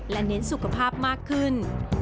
และเน้นสุขภาพมากขึ้น